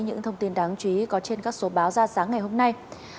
những thông tin đáng chú ý có trên các số báo ra sáng ngày hôm nay